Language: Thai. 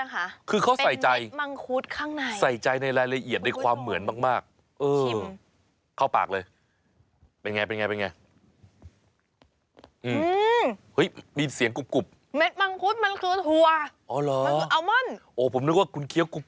แหละจะกินหูหมาสุนัขแสดงลูกดูแล้วเดี๋ยว